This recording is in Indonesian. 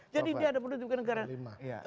jadi dia ada penduduk negara